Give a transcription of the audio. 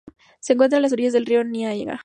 Se encuentra a orillas del río Nyanga.